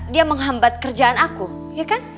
dia menghambat kerjaan aku ya kan